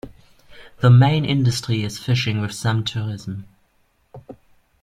The main industry is fishing with some tourism.